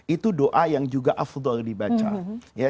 itu doa yang juga afdol dibaca